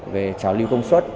về trào lưu công suất